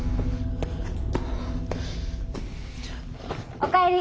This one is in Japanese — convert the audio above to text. お帰り。